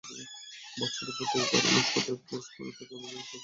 বক্সের ওপর থেকে গড়ানো শটে প্লেস করতে ক্যামেরুনিয়ান ফরোয়ার্ডের এতটুকু সমস্যা হয়নি।